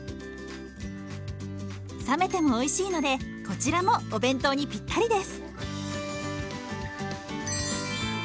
冷めてもおいしいのでこちらもお弁当にピッタリです。